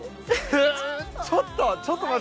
ちょっと楽？